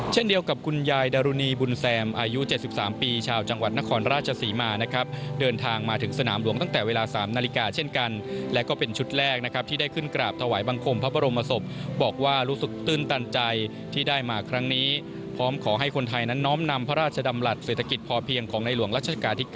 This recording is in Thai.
เช่นเดียวกับคุณยายดารุณีบุญแซมอายุ๗๓ปีชาวจังหวัดนครราชศรีมานะครับเดินทางมาถึงสนามหลวงตั้งแต่เวลา๓นาฬิกาเช่นกันและก็เป็นชุดแรกนะครับที่ได้ขึ้นกราบถวายบังคมพระบรมศพบอกว่ารู้สึกตื้นตันใจที่ได้มาครั้งนี้พร้อมขอให้คนไทยนั้นน้อมนำพระราชดำรัฐเศรษฐกิจพอเพียงของในหลวงรัชกาลที่๙